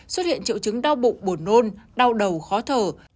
xuất hiện triệu chứng đau bụng buồn nôn đau đầu khó thở